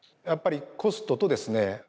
やっぱりコストとですね